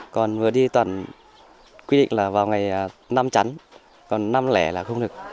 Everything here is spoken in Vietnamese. còn vừa đi toàn quy định là vào ngày năm chắn còn năm lẻ là không được